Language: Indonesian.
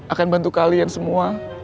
akan bantu kalian semua